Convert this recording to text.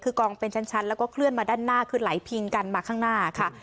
คือกองเป็นชั้นแล้วก็เคลื่อนมาด้านหน้าคือไหลพิงกันมาข้างหน้าค่ะ